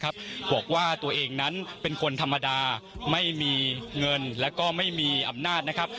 บอกว่าตัวเองนั้นเป็นคนธรรมดาไม่มีเงินแล้วก็ไม่มีอำนาจนะครับ